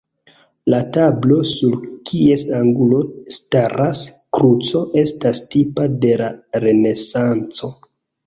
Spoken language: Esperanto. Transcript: La tablo, sur kies angulo staras kruco, estas tipa de la Renesanco.